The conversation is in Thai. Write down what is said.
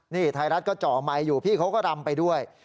นี่ไทยรัฐก็จ่อไมค์อยู่พี่เขาก็รำไปด้วย